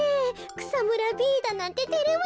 くさむらＢだなんててれますよ。